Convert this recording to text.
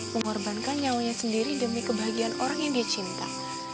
mengorbankan nyawanya sendiri demi kebahagiaan orang yang dia cinta